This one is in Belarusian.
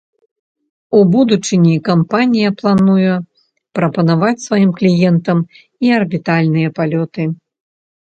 У будучыні кампанія плануе прапанаваць сваім кліентам і арбітальныя палёты.